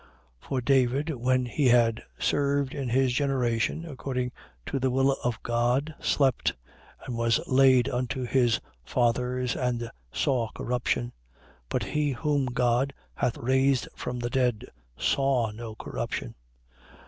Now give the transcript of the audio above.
13:36. For David, when he had served in his generation, according to the will of God, slept: and was laid unto his fathers and saw corruption. 13:37. But he whom God hath raised from the dead saw no corruption.